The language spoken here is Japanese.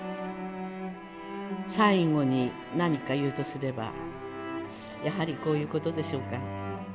最後に何か言うとすればやはりこういうことでしょうか。